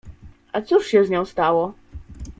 — A cóż się z nią stało?